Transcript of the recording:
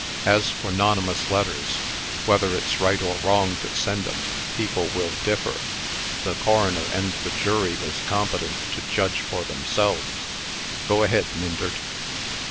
As for 'nonymous letters, whether it's right or wrong to send them, people will differ. The coroner and the jury is competent to judge for themselves. Go ahead, Myndert."